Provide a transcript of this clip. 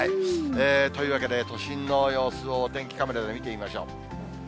というわけで、都心の様子をお天気カメラで見てみましょう。